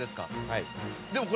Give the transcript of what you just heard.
はい。